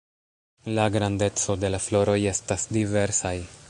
La grandeco de la floroj estas diversaj.